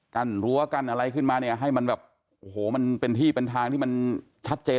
รั้วกั้นอะไรขึ้นมาเนี่ยให้มันแบบโอ้โหมันเป็นที่เป็นทางที่มันชัดเจน